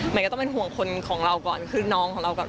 มันก็ต้องเป็นห่วงคนของเราก่อนคือน้องของเรากับ